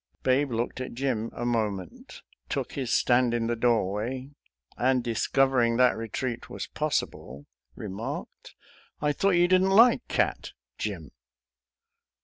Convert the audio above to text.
Babe looked at Jim a moment, took his stand in the doorway, and, discovering that retreat was possible, remarked, "I thought you didn't like cat, Jim.?